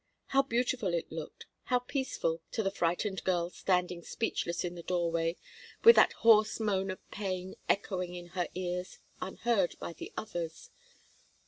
How beautiful it looked, how peaceful, to the frightened girl standing speechless in the doorway, with that hoarse moan of pain echoing in her ears, unheard by the others!